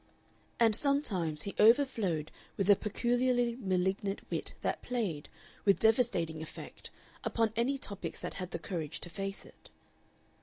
And sometimes he overflowed with a peculiarly malignant wit that played, with devastating effect, upon any topics that had the courage to face it.